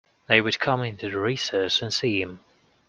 They would come into the recess and see him.